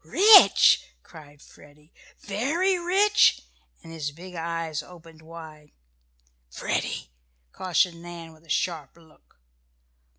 "Rich!" cried Freddie. "Very rich?" and his big eyes opened wide. "Freddie!" cautioned Nan, with a sharp look.